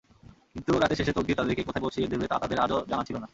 কিন্তু রাতের শেষে তকদীর তাদেরকে কোথায় পৌঁছিয়ে দেবে তা তাদের আদৌ জানা ছিল না।